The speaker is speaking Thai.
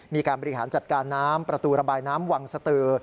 มีการบริหารจัดการน้ำประตูระบายน้ำวังสตือ